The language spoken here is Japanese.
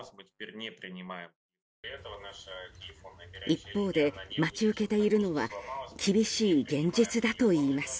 一方で、待ち受けているのは厳しい現実だといいます。